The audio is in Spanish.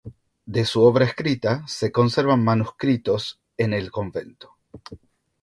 De su obra escrita se conservan manuscritos en el convento.